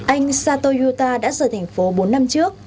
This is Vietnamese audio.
anh sato yuta đã rời thành phố bốn năm trước